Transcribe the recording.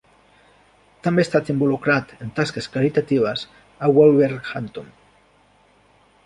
També ha estat involucrat en tasques caritatives a Wolverhampton.